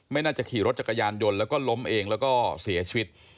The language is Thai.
น่าจะขี่รถจักรยานยนต์แล้วก็ล้มเองแล้วก็เสียชีวิต